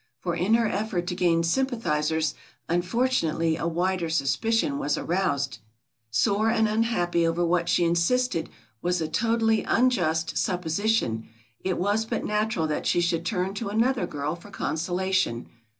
For in her effort to gain sympathizers, unfortunately a wider suspicion was aroused. Sore and unhappy over what she insisted was a totally unjust supposition, it was but natural that she should turn to another girl for consolation.